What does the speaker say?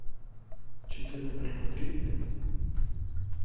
Чи це тепер потрібне?